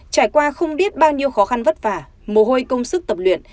trải qua không biết bao nhiêu khó khăn vất vả mồ hôi công sức tập luyện